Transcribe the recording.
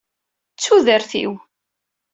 D tudert-iw.